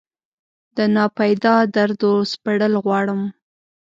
دناپیدا دردو سپړل غواړم